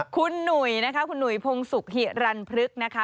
คุณหนุ่ยนะคะคุณหนุ่ยพงศุกร์หิรันพฤกษ์นะคะ